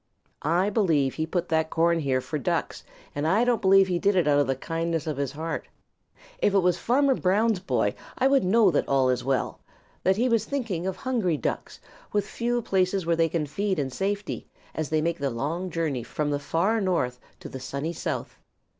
I believe he put that corn here for Ducks and I don't believe he did it out of the kindness of his heart. If it was Farmer Brown's boy I would know that all is well; that he was thinking of hungry Ducks, with few places where they can feed in safety, as they make the long journey from the Far North to the Sunny South.